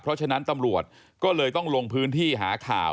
เพราะฉะนั้นตำรวจก็เลยต้องลงพื้นที่หาข่าว